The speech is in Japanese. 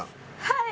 はい！